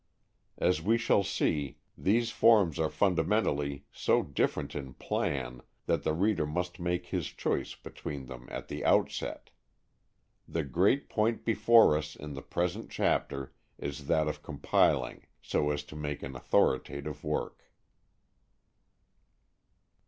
As we shall see, these forms are fundamentally so different in plan that the reader must make his choice between them at the outset. The great point before us in the present chapter is that of compiling so as to make an authoritative work.